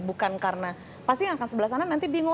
bukan karena pasti akan sebelah sana nanti bingung